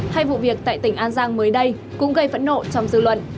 hay vụ việc tại tỉnh an giang mới đây cũng gây phẫn nộ trong dư luận